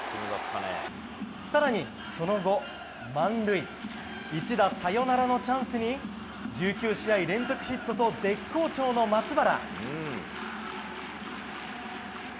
更に、その後、満塁一打サヨナラのチャンスに１９試合連続ヒットと絶好調の松原。